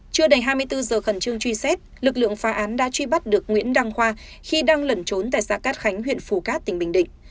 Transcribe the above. chưa đầy hai mươi bốn giờ khẩn trương truy xét lực lượng phá án đã truy bắt được nguyễn đăng khoa khi đang lẩn trốn tại xã cát khánh huyện phù cát tỉnh bình định